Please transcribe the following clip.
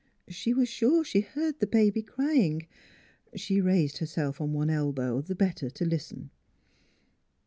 She was sure she heard the baby crying. She raised herself on one elbow the better to listen.